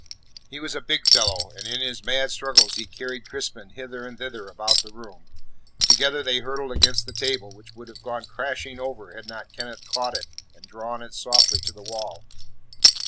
He was a big fellow, and in his mad struggles he carried: Crispin hither and thither about the room. Together: they hurtled against the table, which would have: gone crashing over had not Kenneth caught it and drawn it softly to the wall.